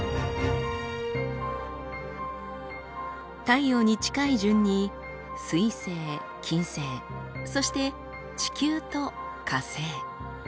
太陽に近い順に水星金星そして地球と火星。